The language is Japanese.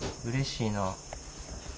うれしいな。